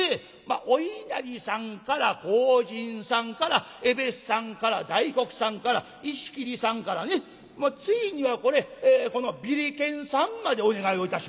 お稲荷さんから荒神さんからえべっさんから大黒さんから石切さんからねついにはこれこのビリケンさんまでお願いをいたしまして。